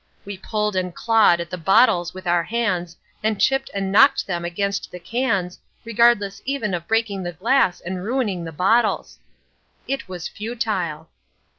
We pulled and clawed at the bottles with our hands, and chipped and knocked them against the cans, regardless even of breaking the glass and ruining the bottles. It was futile.